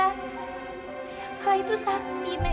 yang salah itu sakti nek